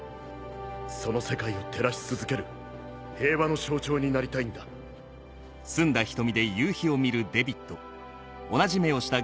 その世界を照らし続ける平和の象徴になり拘束しました